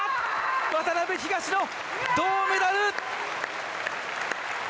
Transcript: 渡辺、東野、銅メダル！